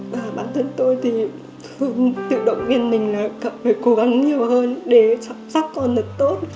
và bản thân tôi thì thường tự động viên mình là cần phải cố gắng nhiều hơn để chăm sóc con rất tốt